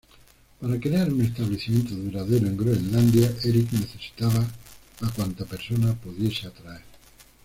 Para crear un establecimiento duradero en Groenlandia, Erik necesitaba a cuanta persona pudiese atraer.